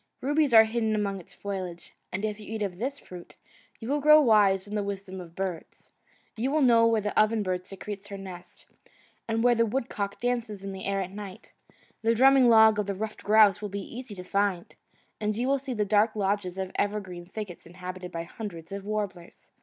Rubies are hidden among its foliage, and if you eat of this fruit, you will grow wise in the wisdom of birds. You will know where the oven bird secretes her nest, and where the wood cock dances in the air at night; the drumming log of the ruffed grouse will be easy to find, and you will see the dark lodges of the evergreen thickets inhabited by hundreds of warblers.